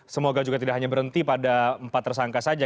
semoga juga tidak hanya berhenti pada empat tersangka saja